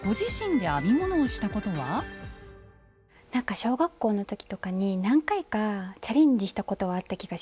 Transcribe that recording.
なんか小学校の時とかに何回かチャレンジしたことはあった気がします。